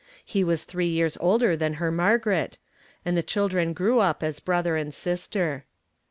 He was three years older than her Margaret, and the children grew up as brother and sister.